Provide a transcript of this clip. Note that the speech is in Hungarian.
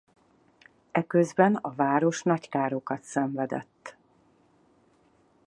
Eközben a város nagy károkat szenvedett.